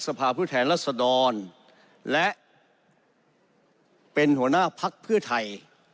สภาพฤทธานรัฐศดรและเป็นหัวหน้าภัครพฤทธัย